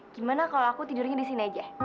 gimana kalau aku tidurnya di sini aja